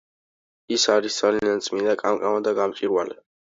ის არის ძალიან წმინდა, კამკამა და გამჭვირვალე.